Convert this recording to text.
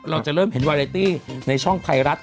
เราจะเริ่มเห็นวาเรตี้ในช่องไทยรัฐ